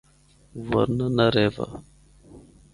ورنہ ناں رہوّا۔